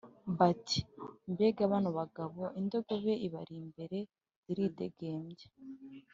bati « mbega bano bagabo, indogobe ibari imbere iridegembya,